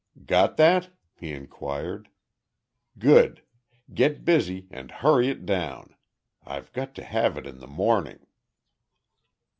"Got that?" he inquired. "Good! Get busy and hurry it down. I've got to have it in the morning."